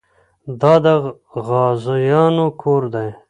دا د غازيانو کور دی.